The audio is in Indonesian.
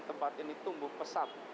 tempat ini tumbuh pesat